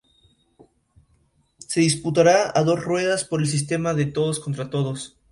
Tuvo un papel relevante durante la Guerra civil española.